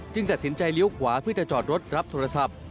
ตัดสินใจเลี้ยวขวาเพื่อจะจอดรถรับโทรศัพท์